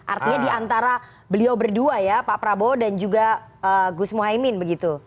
artinya diantara beliau berdua ya pak prabowo dan juga gus muhaymin begitu